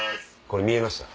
これ見えました。